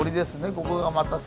ここがまたさ。